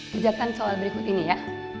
pijakan soal berikut ini ya